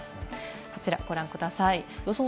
こちら、ご覧ください。